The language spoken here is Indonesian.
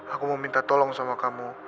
aku mau minta tolong sama kamu